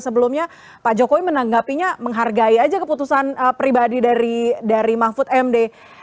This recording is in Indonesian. sebelumnya pak jokowi menanggapinya menghargai saja keputusan pribadi dari mahfud md